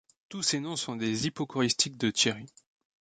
Tous ces noms sont des hypocoristiques de Thierry.